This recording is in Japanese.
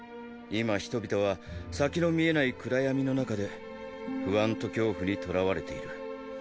今人々は先の見えない暗闇の中で不安と恐怖にとらわれている。